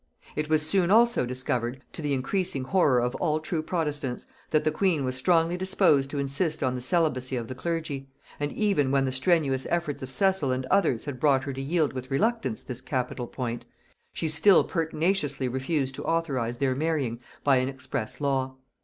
It was soon also discovered, to the increasing horror of all true protestants, that the queen was strongly disposed to insist on the celibacy of the clergy; and even when the strenuous efforts of Cecil and others had brought her to yield with reluctance this capital point, she still pertinaciously refused to authorize their marrying by an express law.